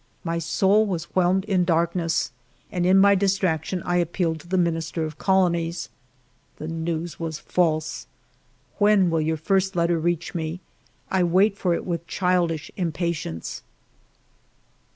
My soul was whelmed in darkness, and in my distrac ALFRED DREYFUS 151 tion I appealed to the Minister of Colonies. The news was false !... When will your first letter reach me ? I wait for it with childish impatience."